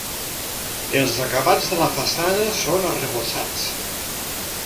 Els acabats de la façana són arrebossats.